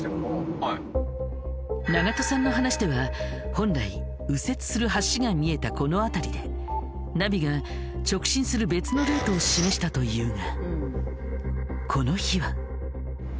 長門さんの話では本来右折する橋が見えたこの辺りでナビが直進する別のルートを示したというがこの日は。